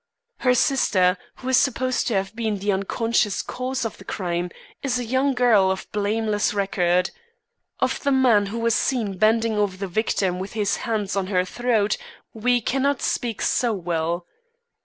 Her sister, who is supposed to have been the unconscious cause of the crime, is a young girl of blameless record. Of the man who was seen bending over the victim with his hands on her throat, we cannot speak so well.